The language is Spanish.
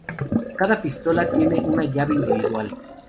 Cada pistola tiene una llave individual.